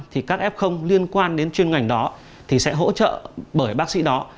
thì các f liên quan đến chuyên ngành đó thì sẽ hỗ trợ bởi bác sĩ đó